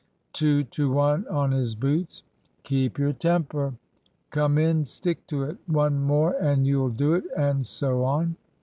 "Two to one on his boots!" "Keep your temper!" "Come in!" "Stick to it!" "One more and you'll do it!" and so on.